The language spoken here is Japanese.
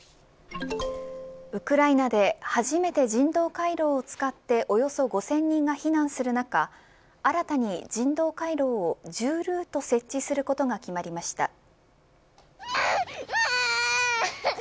ウクライナで初めて人道回廊を使っておよそ５０００人が避難する中新たに人道回廊を１０ルート設置することが決まりました。